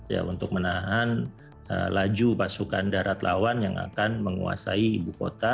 ya untuk menahan laju pasukan darat lawan yang akan menguasai ibu kota